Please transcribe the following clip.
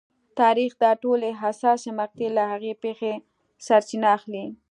د تاریخ دا ټولې حساسې مقطعې له هغې پېښې سرچینه اخلي.